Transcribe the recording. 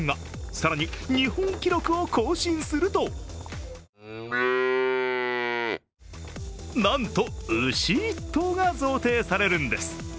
更に、日本記録を更新するとなんと、牛１頭が贈呈されるんです。